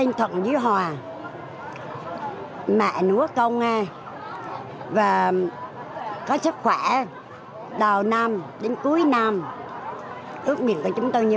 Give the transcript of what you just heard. tên thần dưới hòa mẹ nuốt công nghe và có sức khỏe đầu năm đến cuối năm ước nguyện của chúng tôi như